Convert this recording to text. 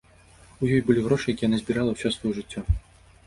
У ёй былі грошы, якія яна збірала ўсё сваё жыццё.